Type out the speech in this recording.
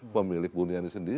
pemilik bu buniyani sendiri